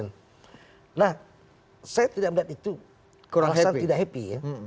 nah saya tidak melihat itu alasan tidak happy ya